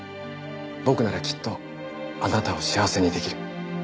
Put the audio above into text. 僕ならきっとあなたを幸せに出来る。